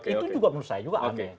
itu juga menurut saya juga aneh